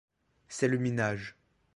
C'est le minage.